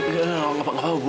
enggak enggak enggak apa apa bu